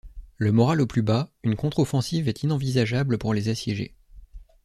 Le moral au plus bas, une contre-offensive est inenvisageable pour les assiégés.